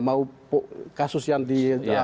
mau kasus yang di